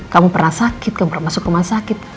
kamu pernah sakit kamu pernah masuk rumah sakit